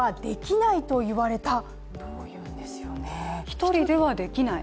１人ではできない？